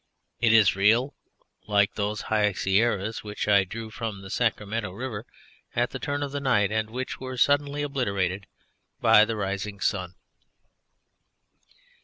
It is real, like those high Sierras which I drew from the Sacramento River at the turn of the night and which were suddenly obliterated by the rising sun.